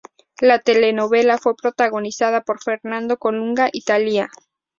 La telenovela fue protagonizada por Fernando Colunga y Thalía.